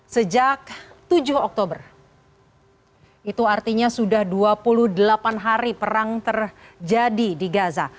sejak tujuh oktober itu artinya sudah dua puluh delapan hari perang terjadi di gaza